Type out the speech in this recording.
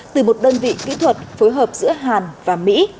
từ một đơn vị kỹ thuật phối hợp giữa hàn và mỹ